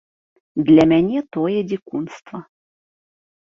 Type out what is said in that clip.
Для мяне тое дзікунства.